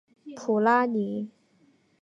普拉尼。